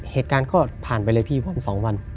เหตุการณ์ก็ผ่านไปเลย๑๒วัน